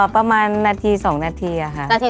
ประมาณนาที๒นาทีอะครับ